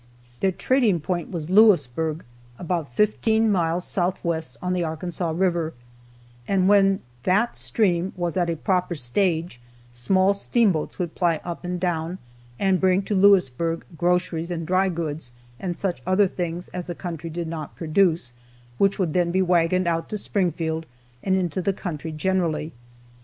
Their trading point was Lewisburg, about fifteen miles southwest on the Arkansas river, and when that stream was at a proper stage, small steamboats would ply up and down, and bring to Lewisburg groceries and dry goods, and such other things as the country did not produce, which would then be wagoned out to Springfield and into the country generally.